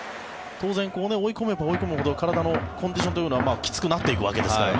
当然、追い込めば追い込むほど体のコンディションというのはきつくなっていくわけですから。